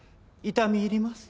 痛み入ります。